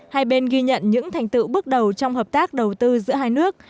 hai bên ghi nhận những thành tựu bước đầu trong hợp tác đầu tư giữa hai nước